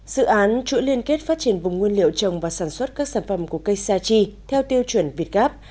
dự án chuỗi liên kết phát triển vùng nguyên liệu trồng và sản xuất các sản phẩm của cây sa chi theo tiêu chuẩn việt gáp